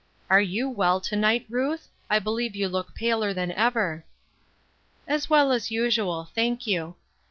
" Are you well to night, Ruth ? I believe you look paler than ever." " As well as usual, thank you."